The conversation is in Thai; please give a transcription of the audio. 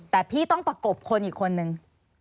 แต่พี่ต้องประกบคนอีกคนนึง